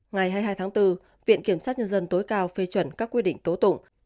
ngày hai mươi hai tháng bốn viện kiểm sát nhân dân tối cao phê chuẩn các quy định tố tụng